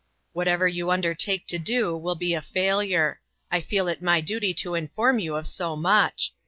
Whatever you undertake to do will be a failure ; I feel it my duty to inform you of so much.